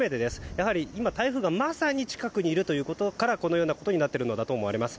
やはり今、台風がまさに近くにいるということからこのようなことになっているのだと思われます。